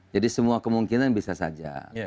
jadi semua kemungkinan bisa saja